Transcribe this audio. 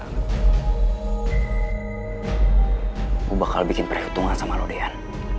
gue bakal bikin perhitungan sama lo dian